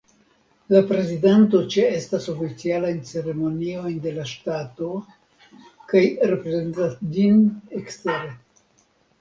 La prezidanto ĉeestas oficialajn ceremoniojn de la ŝtato kaj reprezentas ĝin ekstere.